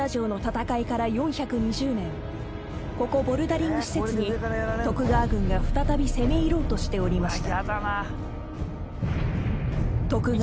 ［ここボルダリング施設に徳川軍が再び攻め入ろうとしておりました］